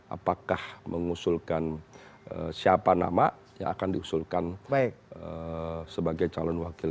apakah mengusulkan siapa nama yang akan diusulkan sebagai calon wakil